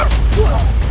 tak punya nutrients gak